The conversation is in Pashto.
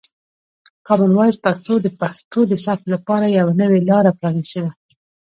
کامن وایس پښتو د پښتو د ثبت لپاره یوه نوې لاره پرانیستې ده.